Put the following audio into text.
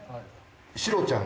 シロちゃん。